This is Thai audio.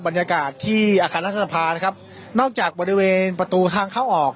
บรรยากาศที่อาคารรัฐสภานะครับนอกจากบริเวณประตูทางเข้าออก